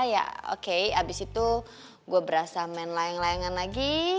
ya oke abis itu gue berasa main layang layangan lagi